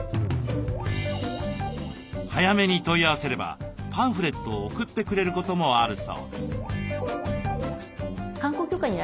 早めに問い合わせればパンフレットを送ってくれることもあるそうです。